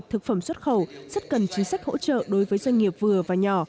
thực phẩm xuất khẩu rất cần chính sách hỗ trợ đối với doanh nghiệp vừa và nhỏ